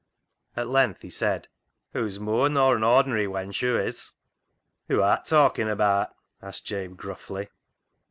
At length he said —" Hoo's mooar nor an ordinary wench, hoo is." " Who art talkin' abaat ?" asked Jabe gruffly.